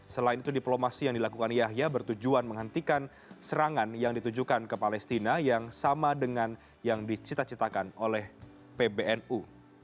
selain itu diplomasi yang dilakukan yahya bertujuan menghentikan serangan yang ditujukan ke palestina yang sama dengan yang dicita citakan oleh pbnu